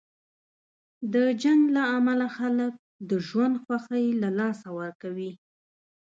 د جنګ له امله خلک د ژوند خوښۍ له لاسه ورکوي.